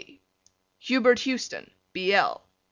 D. Hubert Houston, B. L.